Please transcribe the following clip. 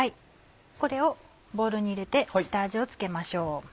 これをボウルに入れて下味を付けましょう。